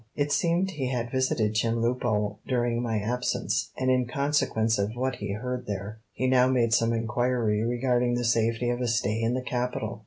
It seemed he had visited Chemulpo during my absence, and in consequence of what he heard there he now made some inquiry regarding the safety of a stay in the capital.